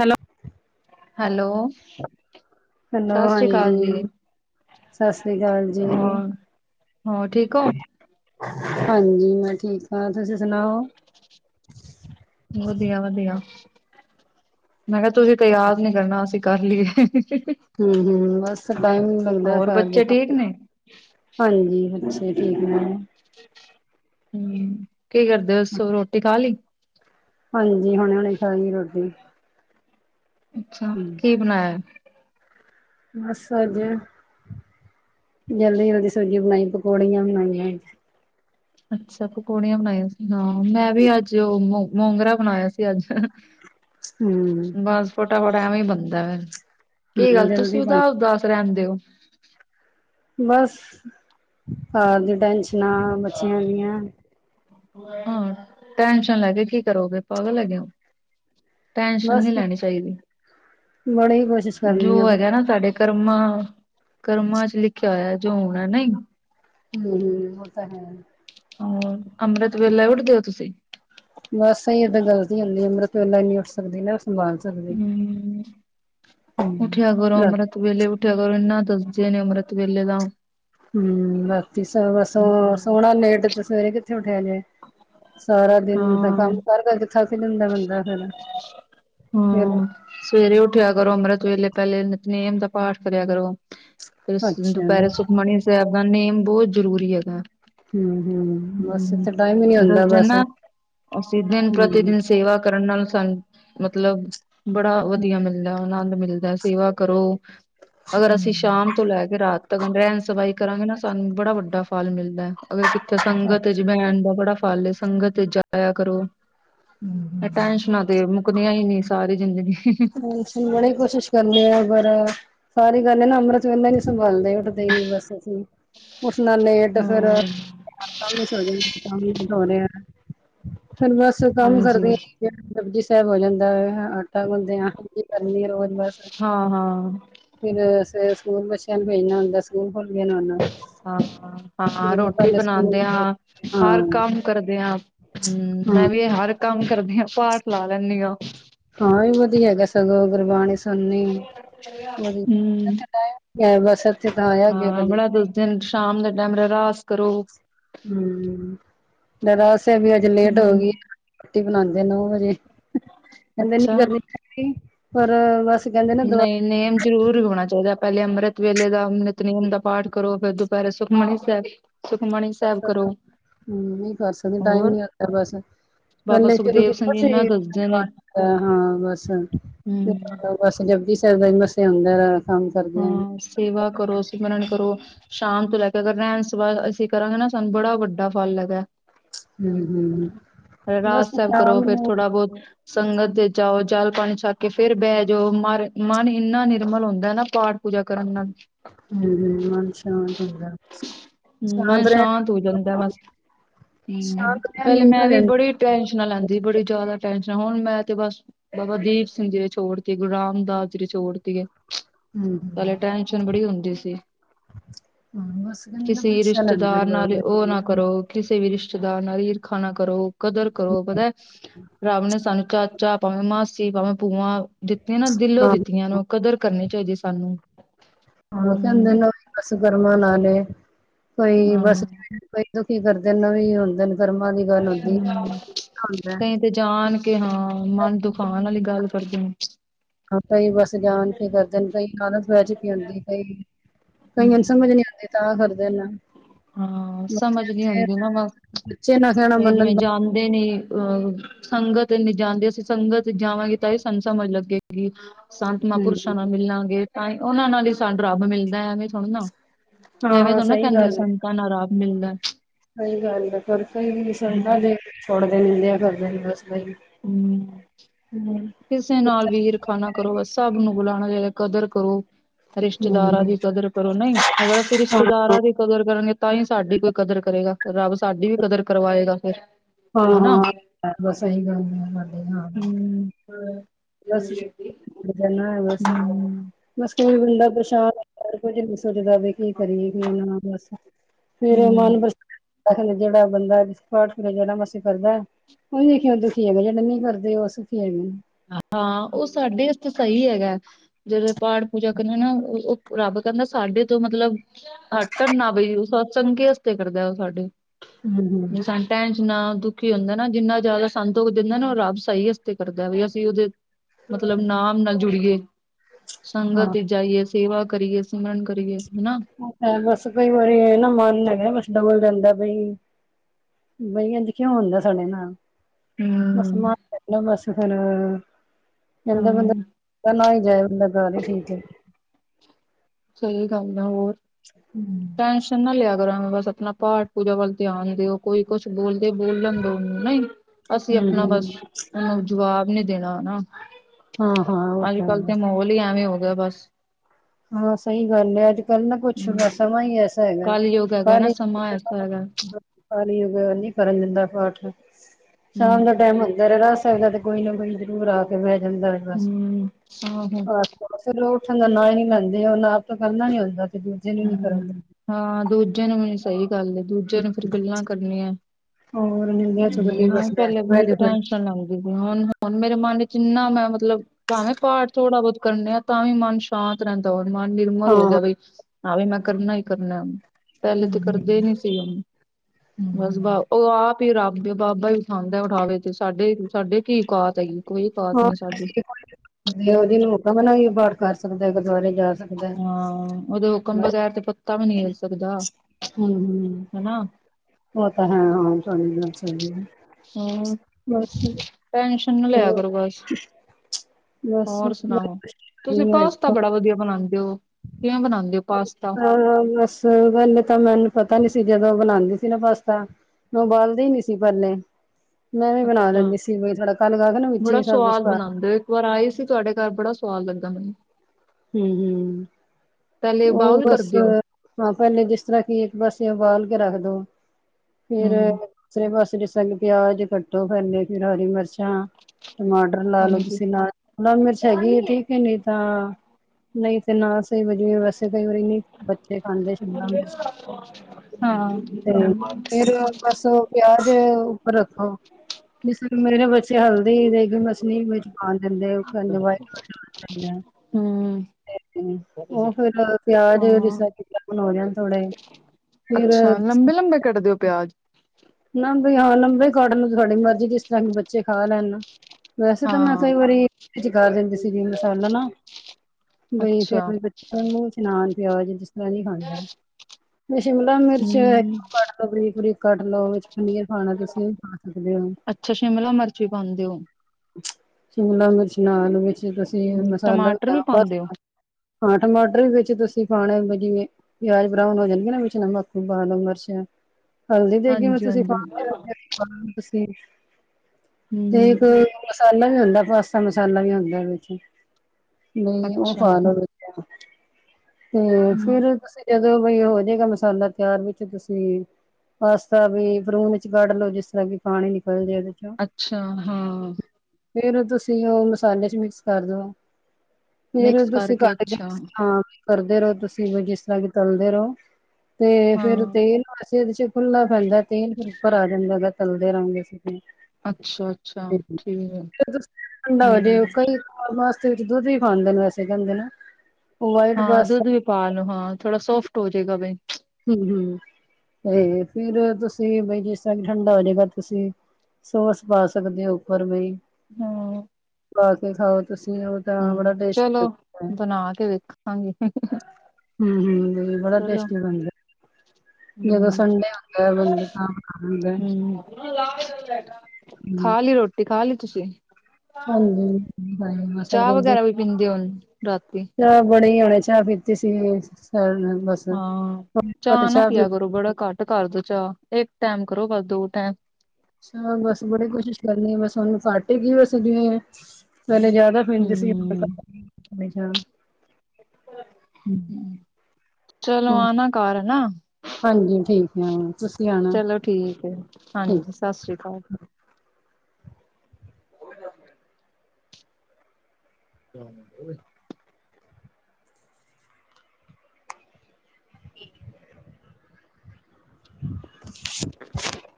Hello. Hello. Hello ਸਤਿ ਸ੍ਰੀ ਅਕਾਲ ਜੀ, ਹਾਂਜੀ। ਸਤਿ ਸ੍ਰੀ ਅਕਾਲ ਜੀ। ਹੋਰ ਹੋਰ ਠੀਕ ਹੋ? ਹਾਂਜੀ ਮੈਂ ਠੀਕ ਹਾਂ ਤੁਸੀਂ ਸੁਣਾਓ? ਵਧੀਆ-ਵਧੀਆ ਮੈਂ ਕਿਹਾ ਤੁਸੀਂ ਤਾਂ ਯਾਦ ਨੀ ਕਰਨਾ ਅਸੀਂ ਕਰ ਲਈਏ। ਹੂੰ-ਹੂੰ ਬਸ ਟਾਈਮ ਲੱਗਦਾ ਹੋਰ ਫ ਬੱਚੇ ਦੇਖਾ ਠੀਕ ਨੇ? ਹਾਂਜੀ, ਅੱਛਾ ਠੀਕ ਮ ਹੂੰ ਕੀ ਕਰਦੇ ਦੋ ਰੋਟੀ ਖਾ ਲੀ? ਹਾਂਜੀ ਹੁਣੇ-ਹੁਣੇ ਖਾਈ ਰੋਟੀ। ‌ ਅੱਛਾ ਕੀ ਬਣਾਇਆ? ਬਸ ਅੱਜ ਜਲਦੀ-ਜਲਦੀ ਸਬਜ਼ੀ ਬਣਾਈ ਪਕੌੜੀਆਂ ਬਣਾਈਆਂ ਅਜ। [unintelligible] ਅੱਛਾ ਪਕੌੜੀਆਂ ਬਣਾਈਆਂ ਸੀ ਹਾਂ ਮੈਂ ਵੀ ਅੱਜ ਉਹੋ ਮੋਗਰਾ ਬਣਾਇਆ ਸੀ ਅੱਜ। ਹੂੰ। ਬਸ ਫਟਾਫਟ ਐਵੇਂ ਹੀ ਬਣਦਾ ਫਿਰ ਕੀ ਹਮ ਗੱਲ ਜਲਦੀ ਤੁਸੀਂ ਬਣ ਉਦਾਸ-ਉਦਾਸ ਰਹਿੰਦੇ ਹੋ? ਬਸ ਘਰ ਦੀ ਟੈਨਸ਼ਨਾਂ ਬੱਚਿਆਂ ਦੀਆਂ ਹਾਂ ਟੈਂਨਸ਼ਨ ਲੈਗੇ ਕੀ ਕਰੋਗੇ ਪਾਗਲ ਲੈਗੇ ਹੋ। ਟੈਨਸ਼ਨ ਬਸ ਨਹੀਂੀ ਲੈਣੀ ਚਾਹੀਦੀ ਬੜੀ ਕੋਸ਼ਿਸ਼ ਜੋ ਕਰਨੀ ਆ ਹਮ ਹੈਗਾ ਨਾ ਸਾਡੇ ਕਰਮਾਂ-ਕਰਮਾਂ ਚ ਲਿਖਿਆ ਹੋਇਆ ਜੋ ਹੋੁਣਾ ਨਾ ਹੂੰ-ਹੂੰ ਉਹ ਤਾਂ ਹੈ। ਹੋਰ ਅੰਮ੍ਰਿਤ ਵੇ ਲੈ ਉਠਦੇ ਹੋ ਤੁਸੀਂ? ਬਸ ਅਹੀ ਏਦਾਂ ਗੱਲ ਦੀ ਹਦੀ ਅੰਮ੍ਰਿਤ ਇਲਾਂਨੀ ਉੱਠ ਸਕਦੀ ਨਾ ਸੰਭਾਲ ਸਕਦੀ ਹਮ ਉੱਠਿਆ ਕਰੋ ਰਾ ਅੰਮ੍ਰਿਤ ਵੇਲੇ ਉੱਠਿਆ ਕਰੋ ਇੰਨਾ ਦੱਸਦੇ ਨੇ ਅੰਮ੍ਰਿਤ ਵੇਲੇ ਦਾ ਹੂੰ ਬਾਕੀ ਸ ਸੋ ਸੋਹਣਾ ਨੇੇਟ ਤੇ ਸਵੇਰੇ ਕਿੱਥੇ ਉਠਿਆ ਜਾ ਸਾਰਾ ਦਿਨ ਫ ਹਾਂ ਕੰਮ ਸ ਕਰ ਜਥ ਸੀ ਦਿੰਦਾ ਬੰਦਾ ਫੇਰ ਫਰ ਹਾਂ ਸਵੇਰੇ ਉੱਠਿਆ ਕਰੋ ਅੰਮ੍ਰਿਤ ਵੇਲੇ ਪਹਿਲੇ ਨਿਤਨੇਮ ਦਾ ਪਾਠ ਕਰਿਆ ਕਰੋ। ਫ ਅੱਛਾ ਦੁਪਹਿਰੇ ਹਮ ਸੁਖਮਨੀ ਸਾਹਿਬ ਦਾ ਨੇਮ ਬਹੁਤ ਜਰੂਰੀ ਹੈਗਾ। ਹਮ ਬਸ ਹ ਇਥੇ ਟਾਈਮ ਹੀ ਨੀ ਦ ਹੁੰਦਾ ਜਮ ਬਸ ਅਸੀ ਦਿਨ ਪ੍ਰਤੀ ਹਮ ਦਿਨ ਸੇਵਾ ਕਰਨ ਨਾਲ ਸ ਮਤਲਬ ਬੜਾ ਵਧੀਆ ਮਿਲਦਾ ਆਨੰਦ ਮਿਲਦਾ ਸੇਵਾ ਕਰੋ। ਅਗਰ ਅਸੀਂ ਸ਼ਾਮ ਤੋਂ ਲੈ ਕੇ ਰਾਤ ਤੱਕ ਰਹਿਣ ਸਫ਼ਾਈ ਕਰਾਂਗੇ ਨਾ ਸਾਨੂੰ ਬੜਾ ਵੱਡਾ ਫਲ ਮਿਲਦਾ ਹੈ ਅਗਰ ਕਿੱਥੇ ਸੰਗਤ ਚ ਬੈਣ ਦਾ ਬੜਾ ਫ ਲੇ ਸੰਗਤ ਜਾਇਆ ਕਰੋ ਹਮ ਟੈਨਸ਼ਨਾਂ ਦੇ ਮੁੱਕਦੀਿਆ ਹੀ ਨੀ ਸਾਰੀ ਜ਼ਿੰਦਗੀ ਹਾਂ ਬੜੀ ਕੋਸ਼ਿਸ਼ ਕਰਨੇ ਆ ਪਰ ਸਾਰੇ ਗੇ ਨਾ ਅੰਮ੍ਰਿਤ ਕਿੰਦਾ ਨੀ ਸੰਭਾਲਦੇ ਦੇ ਹੀ ਨੀ ਬਸ ਅਂ ਉਸ ਨਾਲ ਨੇੇਟ ਫਿਰ ਹਾਂ ਜਾ ਫਿਰ ਬਸ ਕੰਮ ਹਾਂਜੀ ਕਰਦੇ ਆ ਜੜ ਸਬਜੀੀ ਸਾਹਿਬ ਹੋ ਜਾਂਦਾ ਆਟਾ ਅ ਕੀ ਕਰਨੀ ਰੋਜ਼ ਬਸ ਹਾਂ ਹਾਂ ਫਿਰ ਸਕੂਲ ਬੱਚਿਆਂ ਨੂੰ ਭੇਜਣਾ ਹੁੰਦਾ ਸਕੂਲ ਖੁਲਣਾ ਉਹਨਾਂ ਹਾਂ ਹਾਂ ਰੋਟੀ ਬਣਾਉਂਦੇ ਹ ਹਰ ਹਾਂ ਕੰਮ ਕਰਦੇ ਹਾਂ ਹਮ ਹਾਂ ਮੈਂ ਵੀ ਇਹ ਹਰ ਕੰਮ ਕਰਦੀ ਹਾਂ ਪਾਠ ਲਾ ਲੈਂਦੀ ਹਾਂ ਹਾਂ ਇਹ ਵਧੀਆ ਹੈਗਾ ਸਗੋਂ ਗੁਰਬਾਣੀ ਸਨੀ ਹਮ ਬਸ ਇੱਥੇ ਤਾਂ ਆਇਆ ਗਿਆ ਕਦੇ ਨ ਸ਼ਾਮ ਦੇ ਟਾਈਮ ਦਾ ਰਸ ਕਰੋ ਹਮ ਦਦਾਸੇ ਵੀ ਅੱਜ ਲੇਟ ਹੋ ਗਈ ਹਮ ਰੋਟੀ ਬਣਾਉਂਦੇ ਨੋ ਵਜੇ ਕਹਿੰਦੇ ਨੀ ਅੱਛਾ ਕਰਨੀ ਪ ਪਰ ਬਸ ਕਹਿੰਦੇ ਨਾ ਦੁਆ ਨਹੀਂ ਨੇਯਮ ਜ਼ਰੂਰ ਹੋਣਾ ਚਾਹੀਦਾ ਪਹਿਲੇ ਅੰਮ੍ਰਿਤ ਵੇਲੇ ਦਾਿਤ ਨੇਯਮ ਦਾ ਪਾਠ ਕਰੋ ਫਿਰਰ ਦੁ ਪਰ ਸੁਖਮਣੀ ਸਾਹਿ ਸੁਖਮਣੀ ਹਮ ਨਹੀਂ ਕਰ ਸਕਦੇ ਟਾਈਮ ਹੋਰ ਨੀ ਲੱਦਾ ਬਸ ਬਾਬਾ ਇਕੱਲੇ ਸ਼ੁਰੂ ਸੁਖਦੇਵ ਸਿੰਘ ਕੀਤਾ ਜੀ ਇੰਨਾ ਸੀ ਦੱਸਦੇ ਨੇ ਹਾਂ ਬਸ ਹਮ ਬਸ ਜਪਦੀ ਸਰਦਾ ਮਸੇ ਆਉਂਦਾ ਕੰਮ ਕਰਦਿਆਂ ਹੀ ਹਾਂ ਸੇਵਾ ਕਰੋ ਸਿਮਰਨ ਕਰੋ ਸ਼ਾਮ ਤੋਂ ਲੈ ਕੇ ਅਗਰ ਰਹਿਣ ਸ ਅਸੀਂ ਕਰਾਂਗੇ ਨਾ ਸਾਨੂੰ ਬੜਾ ਵੱਡਾ ਫਲ ਹੈਗਾ ਹੂੰ ਹੂੰ ਬਸ ਰਾਜ ਸਾਹਿਬ ਸ਼ਾਮ ਕਰੋ ਫੇਿਰ ਨੂੰ ਥੋੜਾ ਬਹੁਤ ਸੰਗਤ ਤੇ ਜਾਓ ਜਲ ਪਾਣੀ ਛਾ ਕੇ ਫੇਿਰ ਬਹਿ ਜਾਓ ਮਰ ਮਨ ਇੰਨਾ ਨਿਰਮਲ ਹੁੰਦਾ ਨਾ ਪਾਠ ਪੂਜਾ ਕਰਨ ਨਾਲ ਹਮ ਮਨਸ਼ ਚਦ ਹ ਪਹਿਲੇ ਮੈਂ ਵੀ ਰਹਿੰਦੀ ਬੜੀ ਟੈਨਸ਼ਨਾਂ ਲੈਂਦੀ ਬੜੀ ਜ਼ਿਆਦਾ ਟੈਨਸ਼ਨਾਂ ਹੁਣ ਮੈਂ ਤੇ ਬਸ ਬਾਬਾ ਦੀਪ ਸਿੰਘ ਜੀ [unintelligible] ਗੁਰੂ ਰਾਮਦਾਸ ਜੀ [unintelligible] ਹੂੰ ਪਲੇ ਟੈਸ਼ਨ ਬੜੀ ਹੁੰਦੀ ਸੀ ਹੂੰ ਬਸ ਕਹਿੰਦੇ ਨਾ ਕਿਸੇ ਪ੍ਰੀਕਸ਼ਾ ਲੈਂਦੇ ਨੇ ਰਿਸ਼ਤੇਦਾਰ ਨਾਲ ਬਾਬਾ ਉਹ ਜੀ ਨਾ ਹਾਂ ਕਰੋ। ਕਿਸੇ ਵੀ ਰਿਸ਼ਤੇਦਾਰ ਨਾਲ ਰੀਰ ਖਾਨਾ ਕਰੋ ਕਦਰ ਕਰੋ ਪਤਾ ਰੱਬ ਨੇ ਸਾਨੂੰ ਚਾਚਾ ਭਾਵੇਂ ਮਾਸੀ ਭਾਵੇਂ ਭੂਆਂ ਦਿੱਤੀਆਂ ਨਾ ਦਿਲੋਂ ਦਿੱਤੀਆਂ ਨੂੰ ਕਦਰ ਕਰਨੀ ਚਾਹੀਦੀ ਸਾਨੂੰ ਹਾਂ ਕਹਿੰਦੇ ਹੂੰ ਨੇ ਬਸ ਗਰਮਾ ਲਾ ਲਏ ਕੋਈ ਬਸ ਹਾਂ। ਹੂੰ, ਕੋਈ ਤੋਂ ਕੀ ਕਰਦੇ ਵੀ ਹੁੰਦੇ ਨੇ ਸ਼ਰਮਾ ਦੀ ਗੱਲ ਹੁੰਦੀ ਹਮ ਕਈ ਤੇ ਜਾਣ ਕੇ ਹਾਂ ਮਨ ਦੁਖਾਾਨ ਵਾਲੀ ਗੱਲ ਕਰਦੇ ਨੇ ਾਂ ਕਈ ਬਸ ਜਾਣ ਕੇ ਕਰਦੇ ਕਈ ਆਾਲਤ ਬਹਿ ਚ ਕੇ ਆਉਂ ਕਈ ਕਈਆਂ ਨੂੰ ਸਮਝ ਹੂੰ, ਨੀ ਆਉਂਦੀ ਤਾਂ ਕਰਦੇਨਾ ਹਾਂ ਸਮਝ ਨੀ ਹੁੰਦੀ ਨਾ ਬਸ ਬੱਚੇ ਨਾ ਕਹਿਣਾ ਤੇ ਮੰਨਣ ਜਿਵੇਂ ਦਾ ਜਾਂਦੇ ਨੀ ਅ ਸੰਗਤ ਨਹੀਂ ਜਾਂਦੀ ਅਸੀਂ ਸੰਗਤ ਜਾਵਾਂਗੇ ਤਾਂ ਇਹ ਸਨ ਸਮਝ ਲੱਗੇਗੀ ਸੰਤ ਹੂੰ, ਮਹਾਂਪੁਰਸ਼ਾਂ ਨਾਲ ਮਿਲਾਂਗੇ ਤਾਂ ਉਹਨਾਂ ਨਾਲ ਹੀ ਸਾਨੂੰ ਰੱਬ ਮਿਲਦਾ ਹੈਵੇਂ ਥਣ ਨਾ ਐਵੇਂ ਹਾਂ-ਹਾਂ ਨਾ ਸਹੀ ਕਹਿੰਦੇ ਨੇ ਗੱਲ ਏ। ਸੰਤਾਂ ਨਾਲ ਰਭ ਮਿਲਦਾ ਸਹੀ ਗੱਲ ਹੈ ਪਰ ਕਈ ਵੀ ਦੇ ਛੱਡਦੇ ਨ ਹ ਹੋਰ ਦ ਆ ਕਰਦੇ ਨੇ ਬਸਈ ਹਮ ਕਿਸੇ ਨਾਲ ਵੀ ਹਰਖਾਨਾ ਕਰੋ ਸਭ ਨੂੰ ਬੁਲਾਉਣਾ ਚਾਹੀਦਾ ਕਦਰ ਕਰੋ ਰਿਸ਼ਤੇਦਾਰਾਂ ਹੂੰ, ਦੀ ਕਦਰ ਕਰੋ ਨਹੀਂ ਅਗਰ ਅਸੀਂ ਹਾਂ, ਰਿਸ਼ਤੇਦਾਰਾਂ ਦੇ ਕਦਰ ਕਰਨਗੇ ਤਾਂ ਈ ਸਾਡੀ ਕੋਈ ਕਦਰ ਕਰੇਗਾ ਰੱਬ ਸਾਡੀ ਵੀ ਕਦਰ ਕਰਵਾਏਗਾ ਫੇਰ। ਹਾਂ-ਹਾਂ ਬਸ ਸਈ ਗੱਲ ਐ। ਹੂੰ ਬ ਹੂੰ। ਬਸ-ਬਸ ਕਈ ਗੰਡਾ ਪ੍ਰਸ਼ਾਦ ਰ ਕੁੱਝ ਨੀ ਸੁਝਦਾ ਵੀ ਕੀ ਕਰੀਏ ਕੀ ਨਾਂ ਬਸ ਫੇਰ ਹੂੰ, ਮਨ ਬ ਦੇ ਜਿਹੜਾ ਬੰਦਾ ਜਿਹੜਾ ਮਾਸੀ ਫ ਕਰਦਾ। ਦੁਖੀ ਹੈਗਾ ਜਿਹੜਾ ਨਹੀਂ ਕਰਦੇ ਉਹ ਸੁਖੀ ਹੈਗੇ ਨੇ। ਹਾਂ ਓ ਸਾਡੇ ਵਸ ਸਈ ਹੈਗਾ। ਜਦੋਂ ਪਾਠ-ਪੂਜਾ ਕਰਨਾ ਨਾ ਓ ਰੱਬ ਕਹਿੰਦਾ ਸਾਡੇ ਤੋਂ ਮਤਲਬ [unintelligible] ਨੇ ਹੂੰ ਹੂੰ ਟੈਂਨਸ਼ਨਾਂ ਦੁਖੀ ਹੁੰਦਾ ਨਾ ਜਿੰਨਾ ਜ਼ਿਆਦਾ ਸੰਤੁਖ ਦਿੰਦਾ ਨਾ ਉਹ ਰੱਬ ਸਹੀ ਵਤੇ ਕਰਦਾ ਵੀ ਦੇ ਮਤਲਬ ਨਾਮ ਨਾਲ ਜੁੜੀਏ ਸੰਗਤ ਜਾਈਏ। ਸੇਵਾ ਕਰੀਏ, ਸਿਮਰਨ ਕਰੀਏ ਹਨਾ। ਬਸ ਕਈ ਵਾਰੀ ਇਹ ਨਾ ਮਨ ਹੈਗਾ ਬਸ ਡਬਲ ਜਾਂਦਾ ਐ। ਬਈ, ਬਈ ਅੱਜ ਕਿਉਂ ਹੁੰਦਾ ਸਾਡੇ ਨਾਲ? ਹੂੰ। ਸਮਾਨ ਬਸ ਫੇਰ ਕਹਿੰਦਾ ਬੰਦਾ ਹਾਂ ਪੇਲਾ ਏ ਜਾਏ ਅੰਦੇ ਘਰ ਈ ਠੀਕ ਏ। ਸਈ ਗੱਲ ਆ ਹੋਰ ਟੈਸ਼ਨ ਨਾ ਲਿਆ ਕਰੋ ਐਮੇ ਬਸ ਆਪਣਾ ਪਾਠ ਪੂਜਾ ਵੱਲ ਧਿਆਨ ਦਿਓ ਕੋਈ ਕੁਛ ਬੋਲਦੇ ਬੋਲਣ ਦ ਓਨੂੰ ਨਾ ਅਸੀਂ ਹੂੰ ਆਪਣਾ ਬਸ ਹੂੰ ਓਨੂੰ ਜਵਾਬ ਨੀ ਦੇਣਾ ਹਨਾ। ਹਾਂ ਹਾਂ ਉਹ ਤਾਂ ਅੱਜ-ਕੱਲ ਹੈ ਤੇ ਮਾਹੌਲ ਈ ਐਵੇਂ ਹੋ ਗਿਆ ਬਸ। ਹਾਂ ਸਹੀ ਗੱਲ ਐ ਅੱਜ ਗੱਲ ਨਾ ਕੁੱਛਣਾ ਹੂੰ ਸਮਾਂ ਹੀ ਐਸਾ ਹੈਗਾ ਕੱਲ ਯੁੱਗ ਹੈਗਾ ਨਾ ਪਾਣੀ ਸਮਾਂ ਐਸਾ ਹੈਗਾ ਹੋ ਨੀ ਕਰਨ ਦਿੰਦਾ ਪਾਠ ਹੂੰ ਸ਼ਾਮ ਦਾ ਟੈਮ ਹੁੰਦਾ ਰਹਿਰਾਸ ਸਕਦਾ ਤੇ ਕੋਈ ਨਾ ਕੋਈ ਜਰੂਰ ਆ ਕੇ ਬਹਿ ਜਾਂਦਾ ਬਸ ਹੂੰ ਆਹੋ ਬਸ। ਫਿਰ ਉਹ ਉੱਠਣ ਦਾ ਨ ਈ ਨੀ ਲੈਂਦੇ ਉਹ ਨਾ ਆਪ ਕਰਨਾ ਨੀ ਹੁੰਦਾ ਤੇ ਦੂਜੇ ਨੂੰ ਨੀ ਹਮ, ਕਰਨ ਦਿੰਦੇ। ਹਾਂ ਦੂਜਿਆਂ ਨੂੰ ਵੀ ਸਹੀ ਗੱਲ ਐ ਦੂਜਿਆਂ ਨੂੰ ਫੇਰ ਗੱਲਾਂ ਕਰਨੀਆਂ। ਹੋਰ ਨਿੰਦਿਆ ਹੂੰ ਚੁਗਲੀ ਮੈਂ ਬਸ ਲੈ ਪਹਿਲੇ ਬਹਿ ਬੜੀ ਜਾਓ ਫਿਰ ਟੈਨ ਪੁਣ ਲੱਗ ਗਈ ਸੀ ਹੁਣ ਹੁਣ ਮੇਰੇ ਮਨ ਚ ਇੰਨਾ ਮੈਂ ਮਤਲਬ ਭਾਵੇਂ ਪਾਠ ਥੋੜ੍ਹਾ ਬਹੁਤ ਕਰਨੇ ਆ ਤਾਂ ਵੀ ਮਨ ਸ਼ਾਂਤ ਰਹਿੰਦਾ ਹੁਣ ਮਨ ਨਿਰਮਲ ਹੋ ਹਾਂ ਹਾਂ ਗਿਆ ਬਈ ਹਵੇ ਮੈਂ ਕਰਨਾ ਈ ਕਰਨਾ। ਪਹਿਲੇ ਤਾਂ ਕਰਦੇ ਨੀ ਸੀ ਓਨੂੰ। [inaudible] ਬਸ ਬਾ ਓ ਆਪ ਹੀ ਰੱਬ ਬਾਬਾ ਹੀ ਉਠਾਦਾ ਉਠਾਵੇ ਤੇ ਸਾਡੇ ਸਾਡੇ ਓਕਾਤ ਐ ਜੀ। ਹਾਂ ਉਹਦੀ ਮੌਕਾ ਮਨਾ ਵੀ ਪਾਠ ਕਰ ਸਕਦਾ ਗੁਰਦੁਆਰੇ ਜਾ ਸਕਦਾ। ਹਾਂ ਓਦੇ ਹੁਕਮ ਬਸ ਬਗੈਰ ਤੇ ਪੱਤਾ ਵੀ ਨੀ ਹਿਲ ਸਕਦਾ ਹਨਾ। ਓ ਤਾਂ ਹੈ ਹਾਂ ਸਈ, ਸਈ ਹੂੰ ਬਸ। ਟੈਨਸ਼ਨ ਨਾ ਲਿਆ ਹੋਰ ਕਰੋ ਬਸ। ਬਸ ਹੋਰ ਅ ਸੁਣਾਓ ਤੁਸੀਂ ਪਾਸਤਾ ਬੜਾ ਵਧੀਆ ਬਣਾਦੇ ਓ ਕਿਵੇਂ ਬਣਾਦੇ ਓ? ਹ ਬਸ ਗੱਲ ਤਾਂ ਮੈਨੂੰ ਪਤਾ ਨੀ ਸੀ ਜਦੋਂ ਓ ਬਣਾਦੇ ਸੀ ਨਾ ਪਾਸਤਾ ਮੈਂ ਬਾਲਦੀ ਨੀ ਸੀ ਪੇਲੇ। ਮੈਂ ਵੀ ਬਣਾ ਅੱਛਾ ਦਿੰਦੀ ਸੀਈ ਥੋੜਾ ਕੱਲ੍ਹ ਦਾਅ ਕ ਨਾ ਵਿੱਚ ਬੜਾ ਹੀ ਸਭ ਕੁਛ ਸਵਾਦ ਪਾ ਬਣਾਉਂਦੇ ਹੋ ਇੱਕ ਵਾਰ ਆਈ ਸੀ ਤੁਹਾਡੇ ਘਰ ਬੜਾ ਸਵਾਦ ਲੱਗਾ ਮੈਨੂੰ। ਹੂੰ-ਹੂੰ ਪਹਿਲੇ ਓ ਬਾਊਲ ਬਸ। ਕਰਦੇ ਹੋ ਹਾਂ ਪਹਿਲੇ ਜਿਸ ਤਰ੍ਹਾਂ ਕਿ ਇੱਕ ਪਾਸੇ ਉਬਾਲ ਕੇ ਰੱਖਦੋ ਫੇਰ ਹਮ ਸਰੇ ਪਾਸੇ ਪਿਆਜ ਕੱਟੋ ਫਿਰ ਫਰ ਹਰੀ ਮਿਰਚਾਂ, ਟਮਾਟਰ ਲਾ ਲਓ ਹਾਂਜੀ ਤੁਸੀਂ ਨਾ ਨਾਲ ਮਿਰਚ ਹੈਗੀ ਠੀਕ ਐ ਨੀ ਤਾਂ ਨਹੀਂ ਤੇ ਨਾ ਸਹੀ ਵਜਵੇ ਵੈਸੇ ਕਈ ਵਾਰੀ ਨਹੀਂ ਬੱਚੇ ਖਾਂਦੇ ਸ਼ਡ ਕਰ ਹਾਂ ਤੇ ਫਿਰ ਬਸ ਪਿਆਜ ਉੱਪਰ ਰੱਖੋ ਜ ਮੇਰੇ ਬੱਚੇ ਹਲਦੀ ਦੇਗੀ ਮਛਲੀ ਵਿੱਚ ਪਾਉਣ ਦਿੰਦੇ ਆ ਉਹ ਕਹਿੰਦੇ ਵਾਇਟ ਵਾਇਟ ਹਮਮਮਮ ਉਹ ਫੇਿਰ ਪਿਆਜ ਹਾਂ ਰਿਸਬਨ ਹੋ ਜਾਣ ਥੋੜੇ ਫਿਰ ਅੱਛਾ! ਲੰਬੇ ਲੰਬੇ ਕੱਟ ਦੇਓ ਪਿਆਜ ਨਾ ਹਾਂ ਲੰਬੇ ਕਟਲੋ ਤੁਹਾਡੀ ਮਰਜ਼ੀ ਕਿਸ ਤਰ੍ਹਾਂ ਬੱਚੇ ਖਾ ਲੈਣ ਵੈਸੇ ਤਾਂ ਮੈਂ ਹਾਂ ਕਈ ਵਾਰੀ ਵਿਚ ਹੀ ਨਾ ਦਿੰਦੀ ਸੀ ਮਸਾਲਾ ਨਾ ਬ ਅੱਛਾ ਫਿਰ ਮੂੰਹ ਚਨਾਨ ਪਿਆਜ ਜਿਸ ਤਰ੍ਹਾਂ ਨਹੀਂ ਖਾਂਦੇ। ਸ਼ਿਮਲਾ ਮਿਰਚ ਇਹ ਹਮ ਕੱਟ ਲੋ ਬਰੀਕ ਬਰੀਕ ਕੱਟ ਲੋ ਪਨੀਰ ਖਾਣਾ ਤੁਸੀਂ ਵੀ ਖਾ ਸਕਦੇ ਹੋ ਅੱਛਾ! ਸ਼ਿਮਲਾ ਮਿਰਚ ਵੀ ਪਾਉਂਦੇ ਹੋ? ਸ਼ਿਮਲਾ ਮਿਰਚ ਨਾਲ ਵਿੱਚ ਤੁਸੀਂ ਹੂੰ, ਮਸਾਲਾ ਟਮਾਟਰ ਵੀ ਪਾਉਂਦੇ ਹੋ ਹਾਂ ਟਮਾਟਰ ਵੀ ਵਿੱਚ ਤੁਸੀਂ ਪਾਣੇ ਜਿਵੇਂ ਪਿਆਜ ਬਰਾਊਨ ਹੋ ਜਾਣਗੇ ਨਾ ਪਛ ਨਮਕ ਪਾ ਦੀ ਮਿਰਚਾ ਹਲਦੀ ਦੇਗੀ ਮੈਂ ਹਾਂਜੀ ਤੁਸੀਂ ਹਾਂਜੀ ਖਾ ਤੁਸੀ ਤੇ ਹਮ ਮਸਾਲਾ ਵੀ ਹੁੰਦਾ ਪਾਸਤਾ ਮਸਾਲਾ ਵੀ ਹੁੰਦਾ ਵਿੱਚ ਨਹੀਂ ਉਹ ਅੱਛਾ ਪਾ ਲਓ ਹਮਮਮ ਹਮ ਫਿਰ ਤੁਸੀ ਜਦੋਂ ਬਈ ਹੋ ਜਾਏਗਾ ਮਸਾਲਾ ਤਿਆਰ ਵਿੱਚ ਤੁਸੀ ਪਾਸਤਾ ਵੀ ਫਰੂਨ ਚ ਕੱਢ ਲੋੋ ਜਿਸ ਤਰ੍ਹਾਂ ਵੀ ਪਾਣੀ ਨਿਕਲ ਜਾ ਇਹਦੇ ਚੋਂ ਅੱਛਾ! ਹਾਂ ਫੇਰ ਤੁਸੀਂ ਉਹ ਮਸਾਲੇ ਚ ਮਿਕਸ ਕਰਦੋ ਫੇਰ ਮਿਕਸ ਤੁਸੀਂ ਕਰਕੇ ਕੱਢ ਕੇ ਅੱਛਾ ਸੁ ਕਰਦੇ ਰਹੋ ਤੁਸੀਂ ਜਿਸ ਤਰ੍ਹਾਂ ਕਿ ਤਲਦੇ ਰਹੋ ਤੇ ਫੇਿਰ ਹਾਂ ਤੇਲ ਵਾਸ ਇਹਦੇ ਚ ਖੁੱਲਲਾ ਪੈਂਦਾ ਤੇਲ ਫਿਰ ਉੱਪਰ ਆ ਜਾਂਦਾ ਹੈ ਗਾ ਤਲਦੇ ਰਾਂਗਗੇ ਅੱਛਾ! ਅੱਛਾ! ਠੀਕ ਹੈ ਹਮ ਮਾਸਤੇ ਵਿੱਚ ਦੁੱਧ ਹੀ ਖਾਂਦੇ ਨੇ ਵੈਸੇ ਕਹਿੰਦੇ ਨੇ ਉਹ ਵਾਈਟ ਹਾਂ ਪਾਸਤਾ ਦੁੱਧ ਵੀ ਪਾ ਲੋੋ ਹਾਂ ਥੋੜਾ ਸੋਫਟ ਹੋਜਏਗਾ ਵੇ ਹਮ ਹਮ ਤੇ ਫੇਰ ਤੁਸੀਂ ਬਈ ਜਿਸ ਤਰ੍ਹਾਂ ਠੰਡਾ ਹੋ ਜਾਵੇਗਾ ਤੁਸੀਂ ਸੋਸ ਪਾ ਸਕਦੇ ਹੋ ਉੱਪਰ ਵੀ, ਹਮਮਮ ਖ ਕੇ ਖਾਓ ਤੁਸੀਂ ਉਹ ਤਾਂ ਬੜਾ ਹੂੰ ਟੇਸਟੀ, ਚਲੋ ਲੱਗਦਾ। ਬਣਾ ਕੇ ਵੇਖਾਂਗੇ। ਹਮ ਹਮ ਬੜਾ ਚਲੋ ਟੇਸਟਟੀ ਬੰਣਦਾ ਜਦੋਂ ਹੂੰ ਸੰਡੇ ਆਉਂਦਾ ਬੰਦੇ ਤਾਂ ਬ ਦਿੰਦੇ ਹੂੰ ਹੂੰ, ਖਾ ਲ ਰੋਟੀ ਖਾ ਲ ਤੁਸੀਂ ਹਾਂਜੀ ਹਾਏ ਮਸਾਂ ਚਾਹ ਜਲਦੀ ਵਗੈਰਾ ਵੀ ਪੀਂਦੇ ਹੋਣ ਰਾਤੀ ਚਾਹ ਬਣੀ ਹੁਣੇ ਚਾਹ ਪੀਤੀ ਸੀ ਹਾਂ ਚਾਹ ਨਾ ਪਿਆ ਕਰੋ, ਬੜਾ ਘੱਟ ਕਰਦੋ ਚਾਹ ਇੱਕ ਟੈਮ ਕਰੋ ਬਸ ਦੋ ਟਾਈਮ ਅ ਬਸ ਬੜੇ ਕੋਸ਼ਿਸ਼ ਕਰਨੀ ਆ ਬਸ ਉਹਨੂੰ ਕਾਟੇਗੀ ਬਸ ਜਿਵੇਂ ਪਹਿਲੇ ਜ਼ਿਆਦਾ ਹੂੰ [unintelligible] ਚਲੋ ਹਾਂ ਆ ਨਾ ਘਰ ਨਾ ਹਾਂਜੀ ਠੀਕ ਆਵਾਗੀ ਚਲੋ ਠੀਕ ਹੈ ਹਾਂਜੀ ਸਤਿ ਸ਼੍ਰੀ ਅਕਾਲ ਚ ਉਏ ਅ